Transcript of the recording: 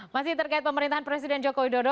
masih terkait pemerintahan presiden joko widodo